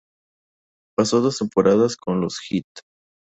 Pasó dos temporadas con los Heat.